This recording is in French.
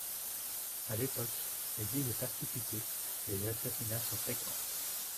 À l'époque, l'Église est persécutée et les assassinats sont fréquents.